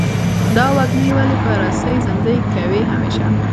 دا وږمې ولې په رسۍ زندۍ کوې همیشه؟